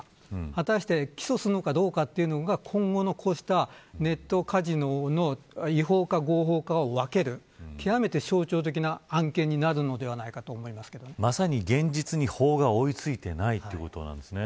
果たして起訴するのかどうかというのが今後のこうしたネットカジノの違法か合法かを分ける、極めて象徴的な案件になるのではないかまさに、現実に法が追いついていないということですね。